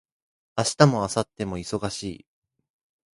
明日も明後日も忙しい